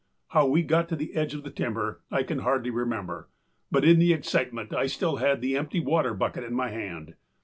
How we got to the edge of the timber I can hardly remember, but in the excitement I still had the empty water bucket in my hand.